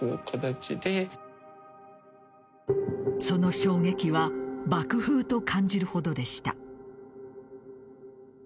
その衝撃は爆風と感じるほどでした。